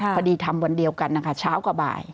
พอดีทำวันเดียวกันนะคะเช้ากับบ่าย